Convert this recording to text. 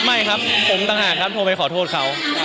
ไม่ครับผมต่างหากครับโทรไปขอโทษเขา